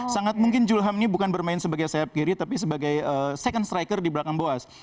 sangat mungkin julham ini bukan bermain sebagai sayap kiri tapi sebagai second striker di belakang boas